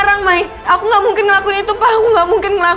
sampai jumpa di video selanjutnya